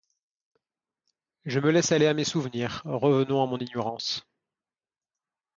Je me laisse aller à mes souvenirs ; revenons à mon ignorance.